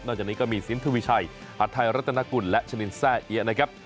นอกจากนี้ก็มีศิลป์ธุวิชัยหัทไทยรัฐนาคุณและชนินแซ่เอียนะครับ